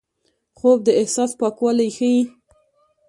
خوب د احساس پاکوالی ښيي